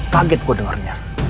kaget gue dengarnya